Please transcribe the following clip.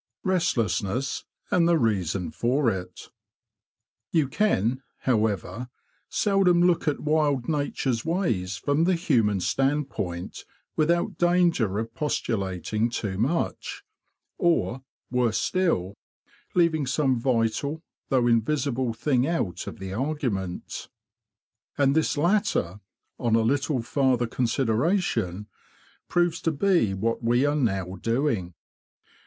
Restlessness, and the Reason for It You can, however, seldom look at wild Nature's ways from the human standpoint without danger of pestulating too much, or, worse still, leaving some vital, though invisible thing out of the argument. And this latter, on a little farther consideration, proves to be what we are now doing.